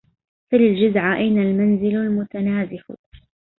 سل الجزع أين المنزل المتنازح